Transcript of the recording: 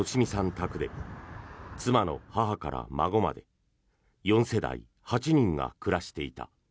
宅で妻の母から孫まで４世代８人が暮らしていた。